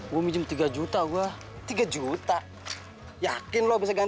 wah terima kasih terima kasih bang